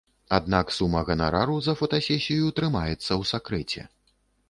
Аднак сума ганарару за фотасесію трымаецца ў сакрэце.